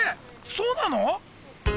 そうなの？